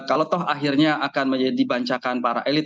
kalau toh akhirnya akan menjadi bancakan para elit